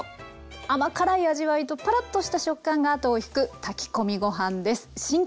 甘辛い味わいとパラッとした食感が後を引く炊き込みご飯です。